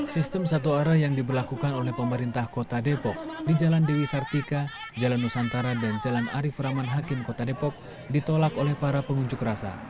sistem satu arah yang diberlakukan oleh pemerintah kota depok di jalan dewi sartika jalan nusantara dan jalan arief rahman hakim kota depok ditolak oleh para pengunjuk rasa